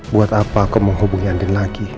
buat apa aku menghubungi andin